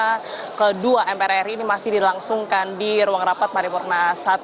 karena kedua mpr ri ini masih dilangsungkan di ruang rapat paripurna satu